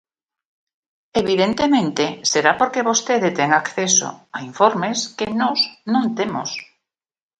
Evidentemente, será porque vostede ten acceso a informes que nós non temos.